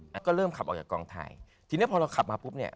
แล้วก็เริ่มขับออกจากกองไทยทีนี้พอเราขับมาปุ๊บเนี่ย